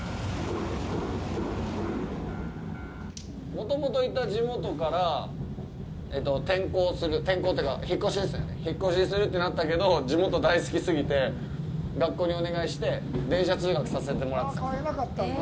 もともといた地元から転校する転校というか引っ越しですよね、引っ越しするってなったけど地元大好き過ぎて、学校にお願いして電車通学させてもらってたんですよ。